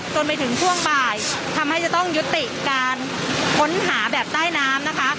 จนไปถึงช่วงบ่ายทำให้จะต้องยุติการค้นหาแบบใต้น้ำนะคะ